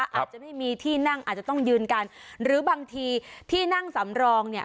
อาจจะไม่มีที่นั่งอาจจะต้องยืนกันหรือบางทีที่นั่งสำรองเนี่ย